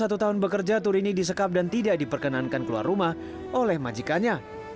satu tahun bekerja turini disekap dan tidak diperkenankan keluar rumah oleh majikannya